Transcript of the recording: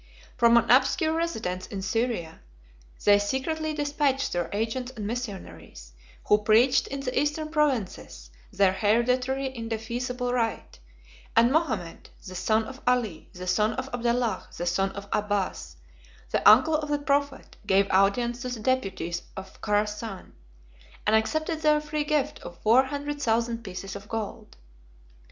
From an obscure residence in Syria, they secretly despatched their agents and missionaries, who preached in the Eastern provinces their hereditary indefeasible right; and Mohammed, the son of Ali, the son of Abdallah, the son of Abbas, the uncle of the prophet, gave audience to the deputies of Chorasan, and accepted their free gift of four hundred thousand pieces of gold.